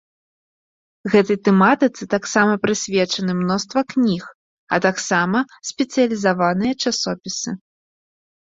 Гэтай тэматыцы таксама прысвечаны мноства кніг, а таксама спецыялізаваныя часопісы.